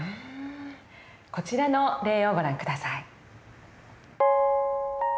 こちらの例をご覧下さい。